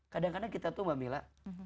kadang kadang kita tuh mbak mila